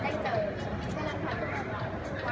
มันเป็นสิ่งที่จะให้ทุกคนรู้สึกว่า